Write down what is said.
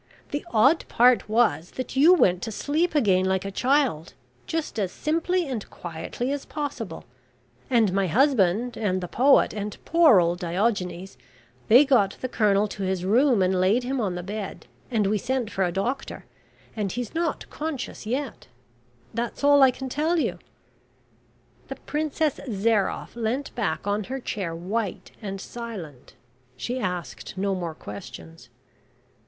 The odd part was that you went to sleep again like a child, just as simply and quietly as possible, and my husband and the poet, and poor old Diogenes, they got the Colonel to his room, and laid him on the bed, and we sent for a doctor, and he's not conscious yet. That's all I can tell you." The Princess Zairoff leant back on her chair white and silent. She asked no more questions.